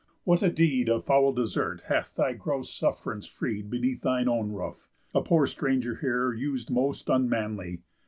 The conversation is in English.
What a deed Of foul desert hath thy gross suff'rance freed Beneath thine own roof! A poor stranger here Us'd most unmanly!